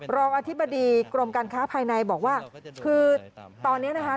รองอธิบดีกรมการค้าภายในบอกว่าคือตอนนี้นะคะ